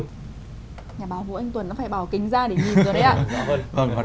nhà báo vũ anh tuấn nó phải bảo kính ra để nhìn rồi đấy ạ